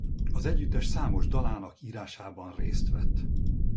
Az együttes számos dalának írásában részt vett.